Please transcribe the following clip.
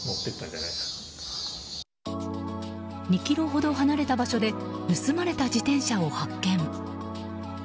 ２ｋｍほど離れた場所で盗まれた自転車を発見。